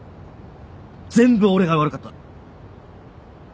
全部俺が悪かった。